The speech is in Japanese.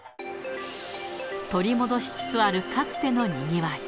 取り戻しつつあるかつてのにぎわい。